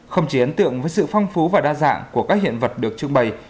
không chỉ ấn tượng với sự phong phú và đa dạng của các hiện vật được trưng bày